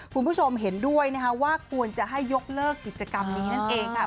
คุณผู้ชมเห็นด้วยนะคะว่าควรจะให้ยกเลิกกิจกรรมนี้นั่นเองค่ะ